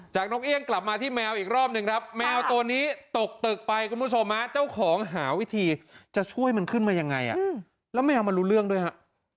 นกเอี่ยงกลับมาที่แมวอีกรอบหนึ่งครับแมวตัวนี้ตกตึกไปคุณผู้ชมฮะเจ้าของหาวิธีจะช่วยมันขึ้นมายังไงแล้วแมวมันรู้เรื่องด้วยฮะ